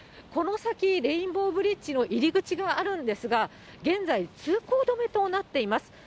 この先、レインボーブリッジの入り口があるんですが、現在、通行止めとなっています。